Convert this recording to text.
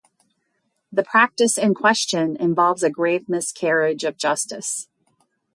The practice in question involves a grave miscarriage of justice.